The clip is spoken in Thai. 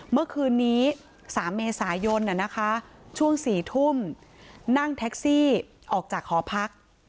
เมื่อคืนนี้๓เมษายนช่วง๔ทุ่มนั่งแท็กซี่ออกจากหอพัก